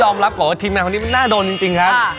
ต้องยอมรับก่อนว่าทีมงานวันนี้น่าโดนจริงครับ